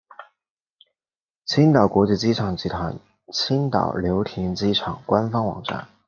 青岛国际机场集团青岛流亭机场官方网站